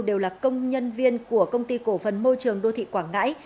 đều là công nhân viên của công ty cổ phần môi trường đô thị quảng ngãi